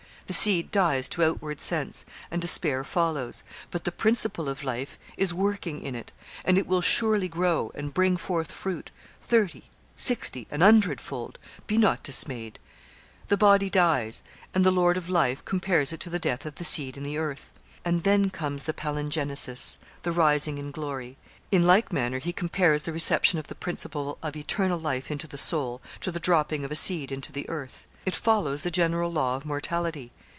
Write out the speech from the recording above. The seed dies to outward sense, and despair follows; but the principle of life is working in it, and it will surely grow, and bring forth fruit thirty, sixty, an hundredfold be not dismayed. The body dies, and the Lord of life compares it to the death of the seed in the earth; and then comes the palingenesis the rising in glory. In like manner He compares the reception of the principle of eternal life into the soul to the dropping of a seed into the earth; it follows the general law of mortality.